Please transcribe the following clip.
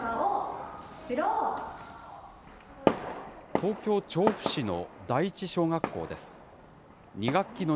東京・調布市の第一小学校です。